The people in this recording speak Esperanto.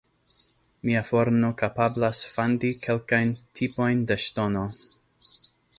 Mia forno kapablas fandi kelkajn tipojn de ŝtono.